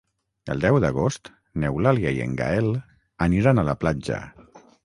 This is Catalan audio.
El deu d'agost n'Eulàlia i en Gaël aniran a la platja.